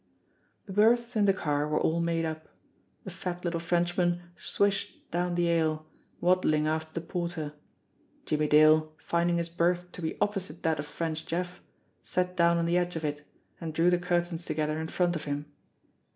The berths in the car were all made up. The fat little Frenchman swished down the aisle, waddling after the porter. Jimmie Dale, finding his berth to be opposite that of French Jeff, sat down on the edge of it, and drew the cur tains together in front of him.